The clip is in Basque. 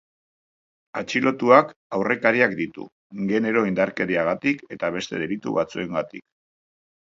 Atxilotuak aurrekariak ditu genero indarkeriagatik eta beste delitu batzuengatik.